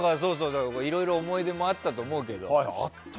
いろいろ思い出もあったと思うけど。